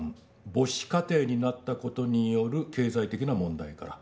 「母子家庭になったことによる経済的な問題から」